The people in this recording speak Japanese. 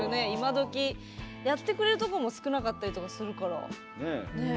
今どき、やってくれるところも少なかったりとかするから。